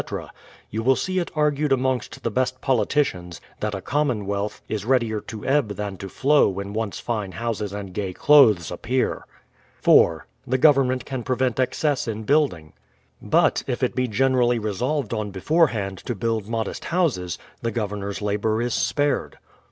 You will see it argued amongst the best politicians, that a commonwealth is readier to ebb than to flow when once fine houses and gay clothes appear. 4. The government can prevent excess in building: — But if it be generally resolved on beforehand to build modest houses, the Governor's labour is spared.